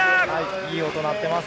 いい音が鳴っています。